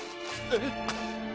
えっ？